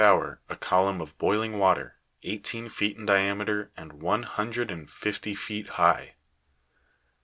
137 hour a column of boiling water, eighteen feet in diameter and one hundred and fifty feet high.